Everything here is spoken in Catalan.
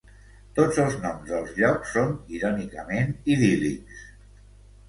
Tots els noms dels llocs són irònicament idíl·lics.